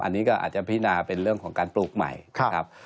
อันนี้ก็อาจจะพินาเป็นเรื่องของการปลูกใหม่นะครับ